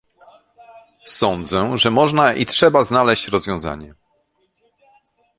Sądzę, że można i trzeba znaleźć rozwiązanie